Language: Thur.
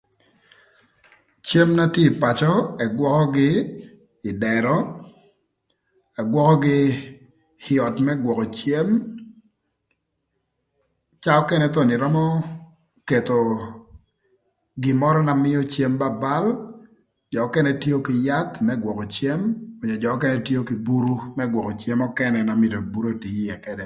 Cëm na tye ï pacö ëgwökögï ï dërö, ëgwökögï ï öt më gwökö cem caa ökënë thon ïrömö ketho gin mörö na mïö cem ba bal jö ökënë tio kï yath më gwökö cem ëka jö ökënë tio kï buru më gwökö cem ökënë kite na myero buru otii ïë këdë.